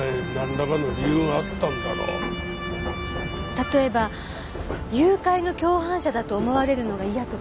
例えば誘拐の共犯者だと思われるのが嫌とか？